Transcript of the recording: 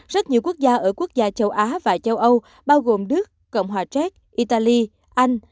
rất nhiều quốc gia ở quốc gia châu á và châu âu bao gồm đức cộng hòa xét italy anh